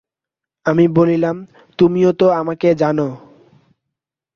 আমি বলিলাম, তুমিও তো আমাকে জান।